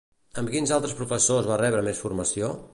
Amb quins altres professors va rebre més formació?